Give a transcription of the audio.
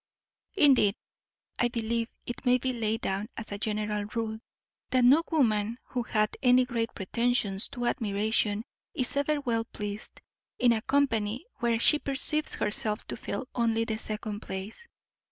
_ Indeed, I believe, it may be laid down as a general rule, that no woman who hath any great pretensions to admiration is ever well pleased in a company where she perceives herself to fill only the second place.